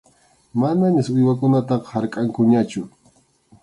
Manañas uywakunataqa harkʼankuñachu.